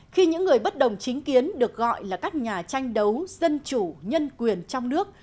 khi những người bất đồng chính kiến được gọi là các nhà tranh đấu dân chủ nhân quyền trong nước